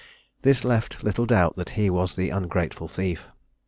This left little doubt that he was the ungrateful thief.